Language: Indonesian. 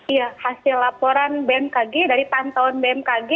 iya hasil laporan bmkg dari pantauan bmkg